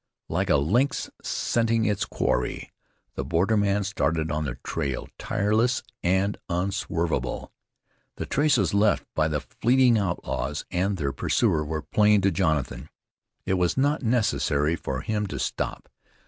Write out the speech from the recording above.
Like a lynx scenting its quarry, the borderman started on the trail, tireless and unswervable. The traces left by the fleeing outlaws and their pursuer were plain to Jonathan. It was not necessary for him to stop.